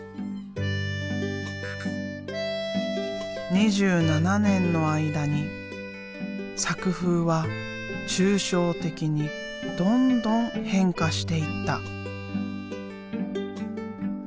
２７年の間に作風は抽象的にどんどん変化していった。